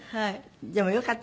でもよかった。